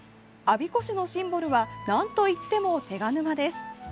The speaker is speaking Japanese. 我孫子市のシンボルはなんといっても手賀沼です。